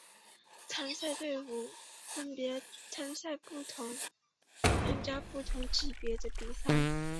参赛队伍分别参加了不同级别的比赛。